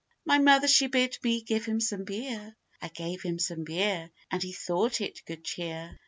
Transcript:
My mother she bid me give him some beer: I gave him some beer, And he thought it good cheer.